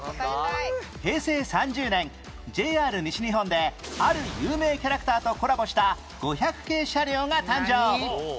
平成３０年 ＪＲ 西日本である有名キャラクターとコラボした５００系車両が誕生